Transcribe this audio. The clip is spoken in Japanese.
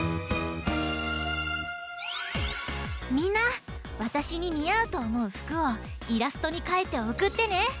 みんなわたしににあうとおもうふくをイラストにかいておくってね！